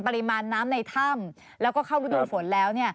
ปริมาณน้ำในถ้ำแล้วก็เข้ารูดูฝนแล้ว